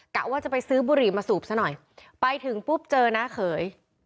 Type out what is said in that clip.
กะว่าจะไปซื้อบุหรี่มาสูบซะหน่อยไปถึงปุ๊บเจอน้าเขย